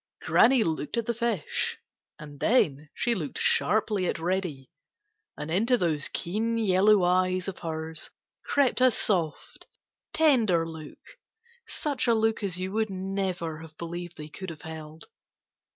Granny looked at the fish and then she looked sharply at Reddy, and into those keen yellow eyes of hers crept a soft, tender look, such a look as you would never have believed they could have held.